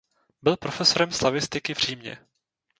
Byl profesorem slavistiky v Římě.